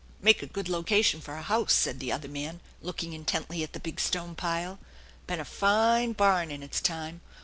" Make a good location for a house," said the other man, looking intently at the big stone pile. " Been a fine barn in its time.